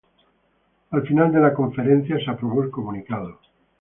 Al final de la conferencia se aprobó el comunicado.